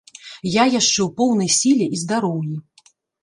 Я яшчэ ў поўнай сіле і здароўі.